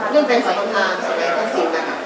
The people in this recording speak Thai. เรื่องแกยืนสมบัติภูมิสมัยทั้ง๔นาที